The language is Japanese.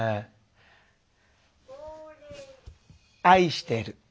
愛してる。